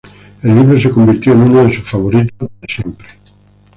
El libro se convirtió en uno de sus favoritos de siempre.